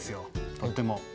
とっても。